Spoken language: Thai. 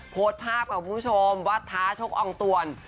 โพสต์ภาพกับคุณผู้ชมว่าท้าชกอองตวน